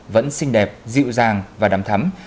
vẫn xinh đẹp dịu dàng và đắm thắm